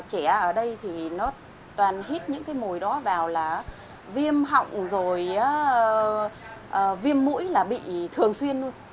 rồi đó vào là viêm họng rồi viêm mũi là bị thường xuyên luôn